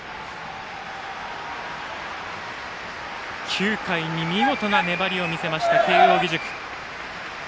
９回に見事な粘りを見せました慶応義塾。